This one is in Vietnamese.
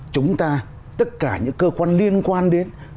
chúng ta tất cả những cơ quan liên quan đến